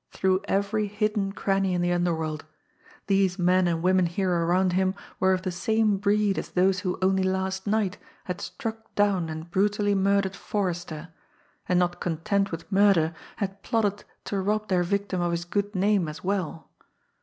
through every hidden cranny in the underworld; these men and women here around him were of the same breed as those who only last night had struck down and brutally murdered Forrester, and not content with murder had plotted to rob their victim of his good name as well!